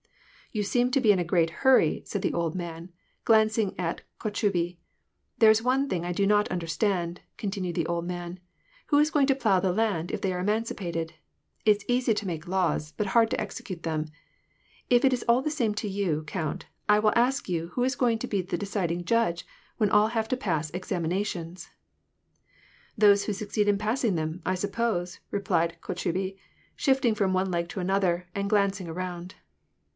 " You seem to be in a great hurry," f said the old man, glancing at Kotchubey. " There's one thing I do not under stand," continued the old man. " Who is going to plough the land, if they are emancipated ? It's easy to make laAVS, but hard to execute them. If it is all the same to you, count, I will ask 3'ou who is going to be the deciding judge when all have to pass examinations ?"" Those who succeed in passing them, I suppose," replied Kotchubey, shifting from one leg to the other, and glancing around.